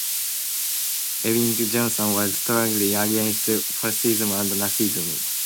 Eyvind Johnson was strongly against fascism and nazism.